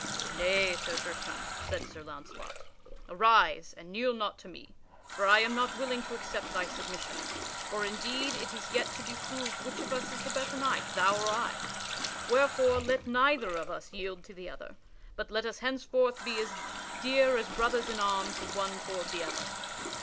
"Nay, Sir Tristram," said Sir Launcelot, "arise, and kneel not to me, for I am not willing to accept thy submission, for indeed it is yet to be proved which of us is the better knight, thou or I. Wherefore let neither of us yield to the other, but let us henceforth be as dear as brothers in arms the one toward the other."